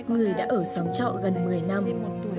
người đã ở xóm chọ gần một mươi năm